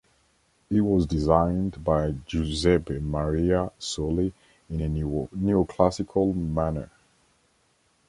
It was designed by Giuseppe Maria Soli in a Neoclassical manner.